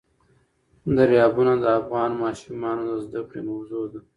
دریابونه د افغان ماشومانو د زده کړې موضوع ده.